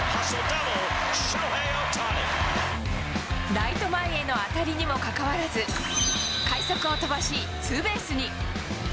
ライト前への当たりにもかかわらず、快足を飛ばし、ツーベースに。